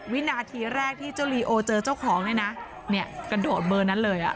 วินาทีแรกที่เจ้าลีโอเจอเจ้าของเนี่ยนะเนี่ยกระโดดเบอร์นั้นเลยอ่ะ